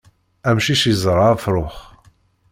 Amcic yeẓṛa afṛux.